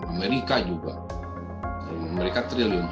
amerika juga amerika triliun